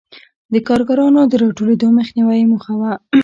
د کارګرانو د راټولېدو مخنیوی یې موخه و.